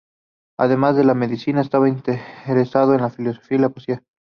Además de la medicina, estaba interesado en la filología y la poesía.